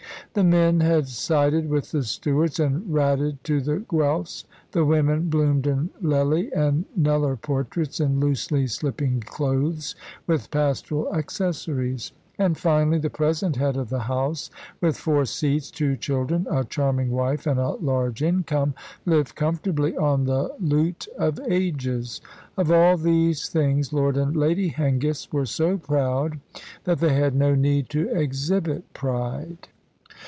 The men had sided with the Stewarts and ratted to the Guelphs; the women bloomed in Lely and Kneller portraits in loosely slipping clothes, with pastoral accessories; and finally, the present head of the house, with four seats, two children, a charming wife and a large income, lived comfortably on the loot of ages. Of all these things Lord and Lady Hengist were so proud that they had no need to exhibit pride.